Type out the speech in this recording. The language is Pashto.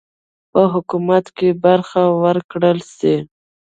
په حکومت کې برخه ورکړه سي.